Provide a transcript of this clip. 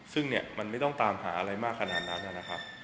ซึ่งเนี่ยมันไม่ต้องตามหาอะไรมากขนาดนั้นนะครับ